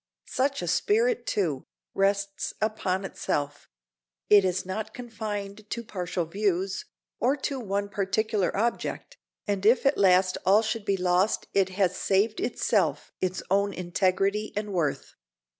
Such a spirit, too, rests upon itself; it is not confined to partial views, or to one particular object, and if at last all should be lost it has saved itself its own integrity and worth.